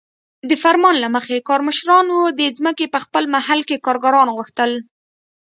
د فرمان له مخې کارمشرانو د ځمکې په خپل محل کې کارګران غوښتل.